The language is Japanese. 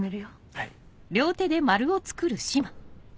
はい。